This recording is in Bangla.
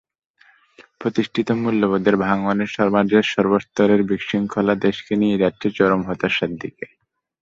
প্রতিষ্ঠিত মূল্যবোধের ভাঙনে সমাজের সর্বস্তরের বিশৃঙ্খলা দেশকে নিয়ে যাচ্ছে চরম হতাশার দিকে।